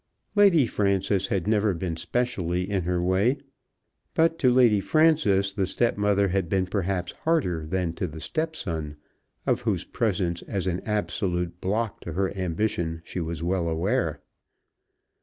Lady Frances had never been specially in her way, but to Lady Frances the stepmother had been perhaps harder than to the stepson, of whose presence as an absolute block to her ambition she was well aware.